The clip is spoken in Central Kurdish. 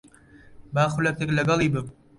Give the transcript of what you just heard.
با خولەکێک لەگەڵی بم.